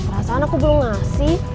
rasanya aku belum ngasih